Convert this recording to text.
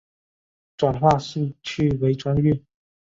转化兴趣为专业